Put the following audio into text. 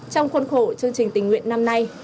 trong khuôn khổ chương trình tình nguyện năm nay